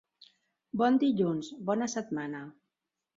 Bon dilluns, bona setmana.